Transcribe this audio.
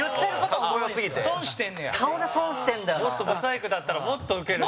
もっと不細工だったらもっとウケる。